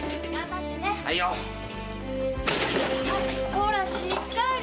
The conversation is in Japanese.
ほらしっかり！